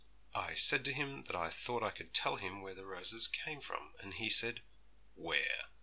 I said to him that I thought I could tell him where the roses came from, and he said "Where?"